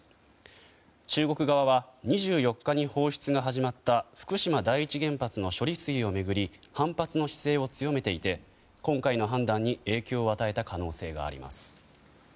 中国側は２４日に放出が始まった福島第一原発の処理水を巡り反発の姿勢を強めていて今回の判断に影響を与えた可能性があります。